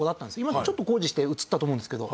今ちょっと工事して移ったと思うんですけど。